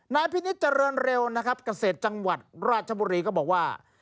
นายพินิษฐเจริญเร็วนะครับเกษตรจังหวัดราชบุรีก็บอกว่า